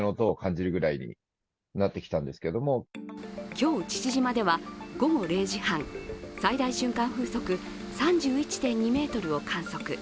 今日父島では午後０時半、最大瞬間風速３１．２メートルを観測。